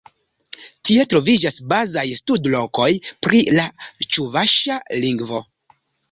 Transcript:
Tie troviĝas bazaj studlokoj pri la ĉuvaŝa lingvo.